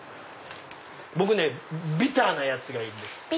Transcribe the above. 僕ねビターなやつがいいです。